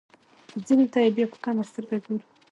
ځینو ته یې بیا په کمه سترګه ګورو.